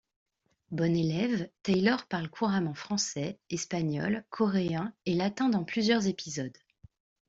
Bonne élève, Taylor parle couramment français, espagnol, coréen et latin dans plusieurs épisodes.